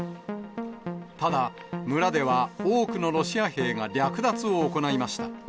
ただ、村では多くのロシア兵が略奪を行いました。